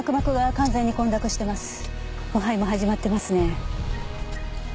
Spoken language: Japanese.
腐敗も始まってますね。